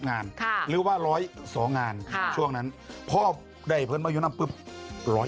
๑๒๐งานหรือว่า๑๐๒งานช่วงนั้นพ่อได้เพิ่มมายุนัมปุ้บ๑๘๐คิว